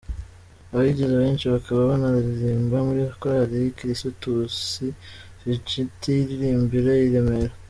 Abayigize abenshi bakaba banaririmba muri korali kirisitusi Vinciti iririmbira i Remera.